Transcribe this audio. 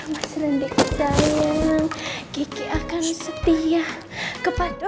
mas randy sayang kiki akan setia kepada